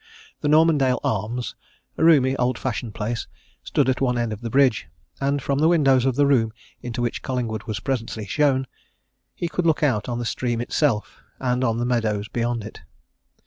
The Normandale Arms, a roomy, old fashioned place, stood at one end of the bridge, and from the windows of the room into which Collingwood was presently shown he could look out on the stream itself and on the meadows beyond it.